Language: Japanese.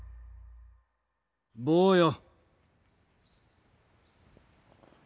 坊よ。